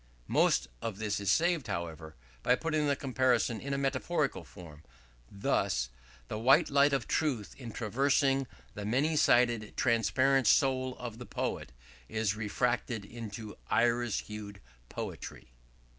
Most of this is saved, however, by putting the comparison in a metaphorical form, thus: "The white light of truth, in traversing the many sided transparent soul of the poet, is refracted into iris hued poetry."